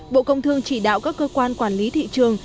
bộ công thương chỉ đạo các cơ quan quản lý thị trường